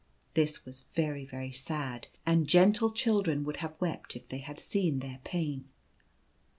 This was very, very sad, and gentle children would have wept if they had seen their pain.